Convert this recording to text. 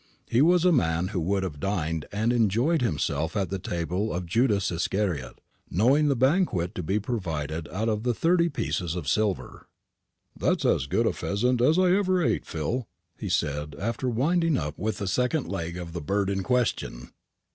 He was a man who would have dined and enjoyed himself at the table of Judas Iscariot, knowing the banquet to be provided out of the thirty pieces of silver. "That's as good a pheasant as I ever ate, Phil," he said, after winding up with the second leg of the bird in question.